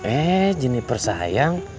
eh jeniper sayang